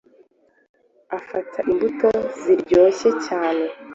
afata imbuto ziryoshye, cyane